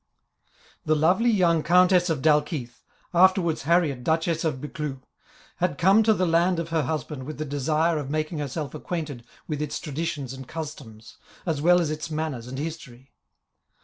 The lovely young Countess of Dalkeith, afterwards Harriet Duchess of Buccleuch, had come to the land of her husband with the desire of making herself acquainted with its traditions and customs, as well as its manners and history.